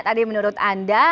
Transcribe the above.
tadi menurut anda